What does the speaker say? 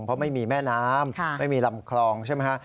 เพราะไม่มีแม่น้ำไม่มีลำคลองใช่ไหมฮะ